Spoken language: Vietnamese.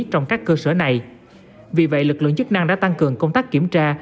trong các cơ sở này vì vậy lực lượng chức năng đã tăng cường công tác kiểm tra